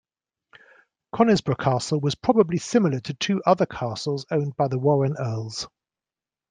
Conisbrough Castle was probably similar to two other castles owned by the Warren earls.